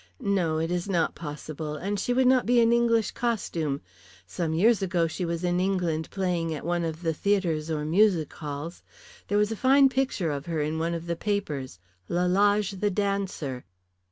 No, it is not possible. And she would not be in English costume. Some years ago she was in England playing at one of the theatres or music halls. There was a fine picture of her in one of the papers Lalage, the dancer."